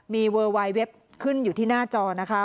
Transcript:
มีเวอร์ไวน์เว็บขึ้นอยู่ที่หน้าจอนะคะ